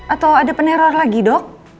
atau ada peneror lagi dok